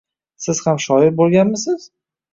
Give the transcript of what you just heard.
-Siz ham shoir bo’lganmisiz?